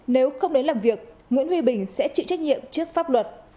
nếu không đến làm việc nguyễn huy bình sẽ chịu trách nhiệm trước pháp luật